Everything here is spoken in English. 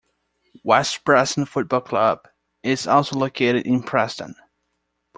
West Preston Football Club is also located in Preston.